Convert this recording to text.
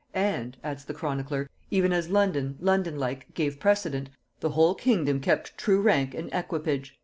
"And," adds the chronicler, "even as London, London like, gave precedent, the whole kingdom kept true rank and equipage."